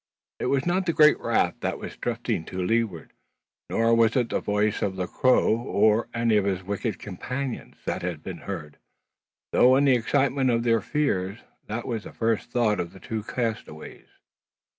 It was not the great raft that was drifting to leeward, nor was it the voice of Le Gros or any of his wicked companions, that had been heard; though, in the excitement of their fears, that was the first thought of the two castaways.